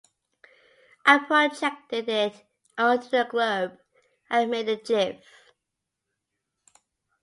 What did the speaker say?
I projected it onto a globe and made a gif.